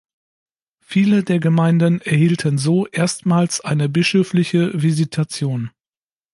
Viele der Gemeinden erhielten so erstmals eine bischöfliche Visitation.